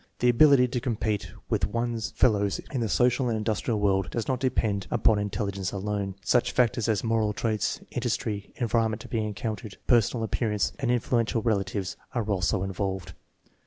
The ability to compete with one's fellows in the social and industrial world does not depend upon in 88 THE MEASUEEMENT OF INTELLIGENCE telligence alone. Such factors as moral traits, industry, environment to be encountered, personal appearance, and influential relatives are also involved.